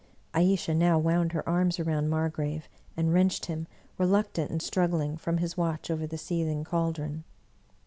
Ayesha now wound her arms around Margrave, and wrenched him, reluctant and struggling, from his watch over the seething caldron.